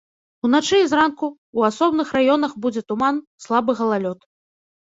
Уначы і зранку ў асобных раёнах будзе туман, слабы галалёд.